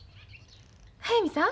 速水さん？